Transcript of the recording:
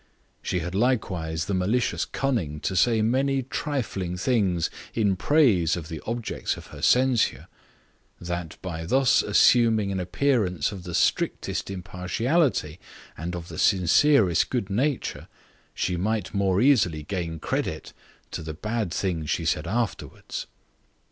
She had likewise the malicious cunning to say many trifling things in praise of the objects of her censure; that by thus assuming an appearance of the strictest impartiality, and of the sincerest good nature, she might more easily gain credit to the bad things she said afterwards.